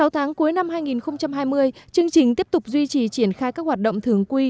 sáu tháng cuối năm hai nghìn hai mươi chương trình tiếp tục duy trì triển khai các hoạt động thường quy